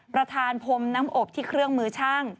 ประธานพรมน้ำอบที่เครื่องมือช่าง